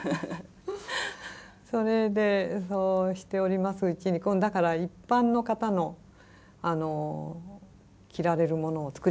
それでそうしておりますうちにだから一般の方の着られるものを作り始めたんですよね。